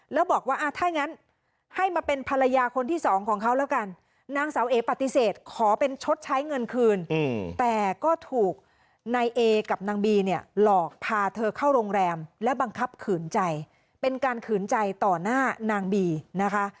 แล้วบอกว่าถ้างั้นให้มาเป็นภรรยาคนที่สองของเขาแล้วกันนางสาวเอปฏิเสธขอเป็นชดใช้เงินคืนแต่ก็ถูกนายเอกับนางบีเนี่ยหลอกพาเธอเข้าโรงแรมและบังคับขืนใจเป็นการขืนใจต่อหน้านางบีนะคะ